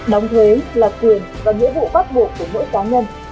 đóng thuế là quyền và nghĩa vụ bắt buộc của mỗi cá nhân